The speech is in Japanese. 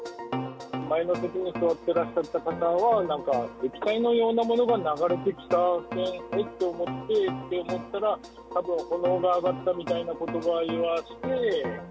前の席に座ってらっしゃった方は、なんか液体のようなものが流れてきたけん、えっ？と思って、そしたら炎が上がったみたいなことを言いまして。